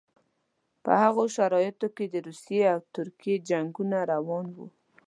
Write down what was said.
په هغو شرایطو کې د روسیې او ترکیې جنګونه روان وو.